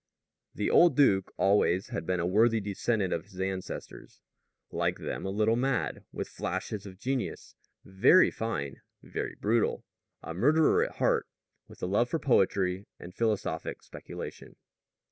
The old duke always had been a worthy descendant of his ancestors; like them, a little mad, with flashes of genius, very fine, very brutal, a murderer at heart, with a love for poetry and philosophic speculation.